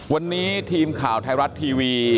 วันนี้ทีมข่าวไทยรัฐทีวี